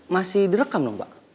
masih direkam dong pak